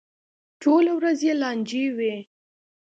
ټوله ورځ یې لانجې وي.